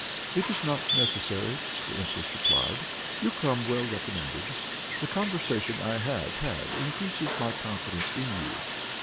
] "It is not necessary," the empress replied; "you come well recommended. The conversation I have had increases my confidence in you.